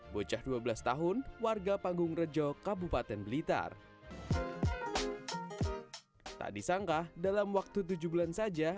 bocah dua belas tahun warga panggung rejo kabupaten blitar tak disangka dalam waktu tujuh bulan saja